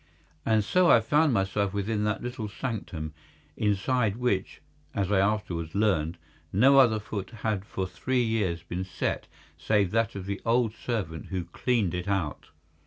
And so I found myself within that little sanctum, inside which, as I afterwards learned, no other foot had for three years been set save that of the old servant who cleaned it out.